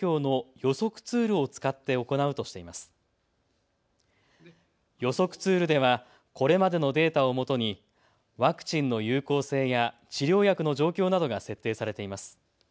予測ツールではこれまでのデータをもとにワクチンの有効性や治療薬の状況などが設定されています。